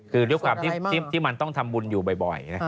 คือด้วยความที่มันต้องทำบุญอยู่บ่อย